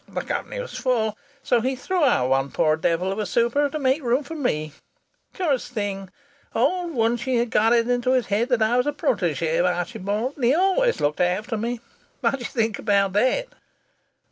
The company was full, so he threw out one poor devil of a super to make room for me. Curious thing old Wunchy got it into his head that I was a protége of Archibald's, and he always looked after me. What d'ye think about that?"